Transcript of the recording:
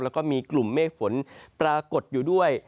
แล้วก็มีกลุ่มเมฆฝนปรากฏอยู่ด้วย